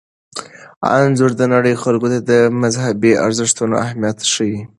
انځور د نړۍ خلکو ته د مذهبي ارزښتونو اهمیت ښيي.